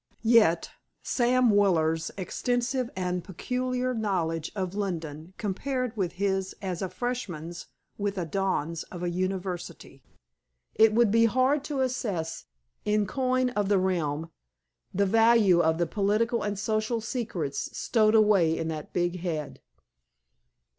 Yet, Sam Weller's extensive and peculiar knowledge of London compared with his as a freshman's with a don's of a university. It would be hard to assess, in coin of the realm, the value of the political and social secrets stowed away in that big head.